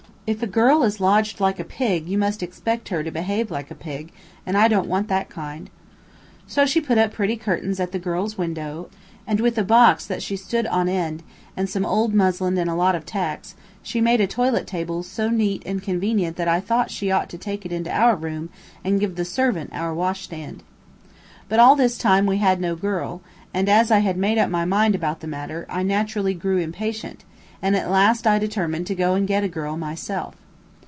"If a girl is lodged like a pig, you must expect her to behave like a pig, and I don't want that kind." So she put up pretty curtains at the girl's window, and with a box that she stood on end, and some old muslin and a lot of tacks, she made a toilet table so neat and convenient that I thought she ought to take it into our room and give the servant our wash stand. But all this time we had no girl, and as I had made up my mind about the matter, I naturally grew impatient, and at last I determined to go and get a girl myself.